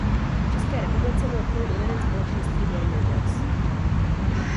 V České republice byl film uveden společností Warner Bros.